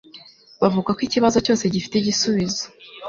Bavuga ko ikibazo cyose gifite igisubizo.